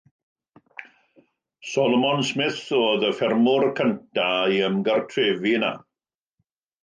Solomon Smith oedd y ffermwr cyntaf i ymgartrefu yno.